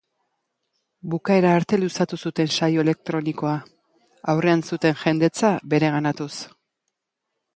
Bukaera arte luzatu zuten saio elektronikoa, aurrean zuten jendetza bereganatuz.